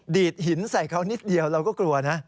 ดหินใส่เขานิดเดียวเราก็กลัวนะ